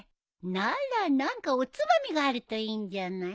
なら何かおつまみがあるといいんじゃない？